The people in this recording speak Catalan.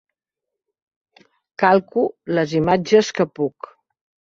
Calco les imatges que puc.